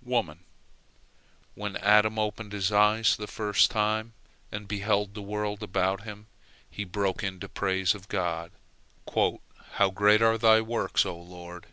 WOMAN When Adam opened his eyes the first time, and beheld the world about him, he broke into praise of God, "How great are Thy works, O Lord!"